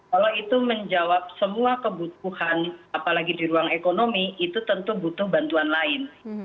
kalau itu menjawab semua kebutuhan apalagi di ruang ekonomi itu tentu butuh bantuan lain